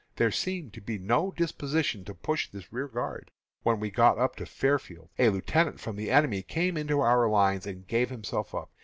There seemed to be no disposition to push this rearguard when we got up to Fairfield. A lieutenant from the enemy came into our lines and gave himself up.